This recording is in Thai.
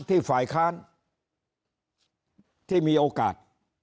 ที่ฝ่ายค้านที่มีโอกาส